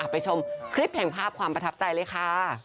ไปชมคลิปแห่งภาพความประทับใจเลยค่ะ